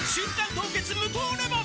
凍結無糖レモン」